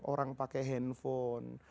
orang pakai handphone